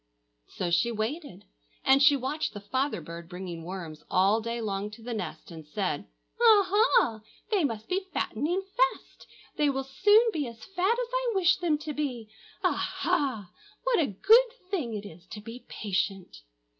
So she waited; and she watched the father bird bringing worms all day long to the nest, and said, "Aha! they must be fattening fast! they will soon be as fat as I wish them to be. Aha! what a good thing it is to be patient."